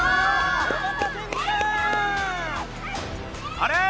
あれ？